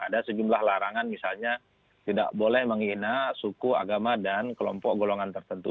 ada sejumlah larangan misalnya tidak boleh menghina suku agama dan kelompok golongan tertentu